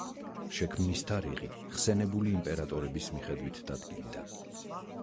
შექმნის თარიღი ხსენებული იმპერატორების მიხედვით დადგინდა.